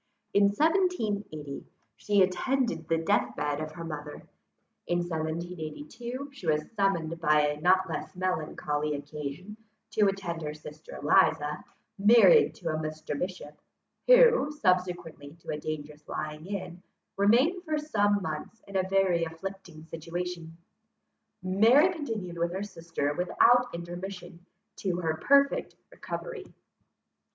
In 1780 she attended the death bed of her mother; in 1782 she was summoned by a not less melancholy occasion, to attend her sister Eliza, married to a Mr. Bishop, who, subsequently to a dangerous lying in, remained for some months in a very afflicting situation. Mary continued with her sister without intermission, to her perfect recovery.